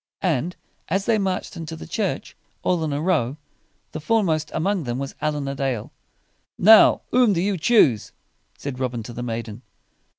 And as they marched into the church, all in a row, the fore most among them was Allin a Dale. "Now whom do you choose?" said Robin to the maiden.